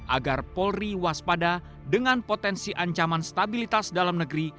agar polri waspada dengan potensi ancaman stabilitas dalam negeri